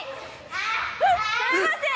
すみません！